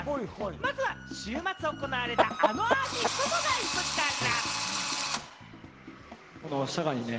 まずは週末行われた、あのアーティストのライブから。